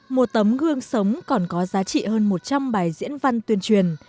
một tấm gương sống còn có giá trị hơn một trăm linh bài diễn văn tuyên truyền